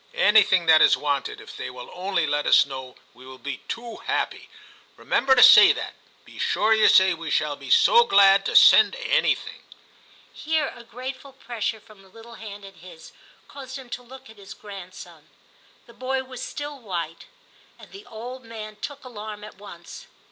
Anything that is wanted, if they will only let us know, we will be too happy ; remember to say that ; be sure you say we shall be so glad to send anything.' Here a grateful pressure from the little hand in his caused him to look at his grand . son. The boy was still white, and the old man took alarm at once.